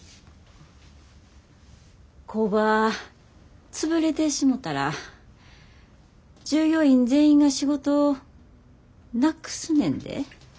工場潰れてしもたら従業員全員が仕事なくすねんで。